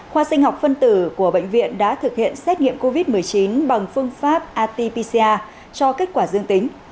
khoa sinh học phân tử của bệnh viện đã thực hiện xét nghiệm covid một mươi chín bằng phương pháp atpca cho kết quả dương tính